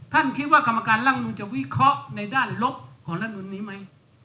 ท่านคิดว่ากรรมการร่างนุนจะวิเคราะห์ในด้านลบของรัฐนุนนี้ไหม